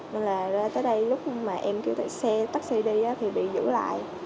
nên là ra tới đây lúc mà em kêu xe taxi đi thì bị giữ lại